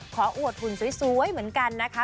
อวดหุ่นสวยเหมือนกันนะคะ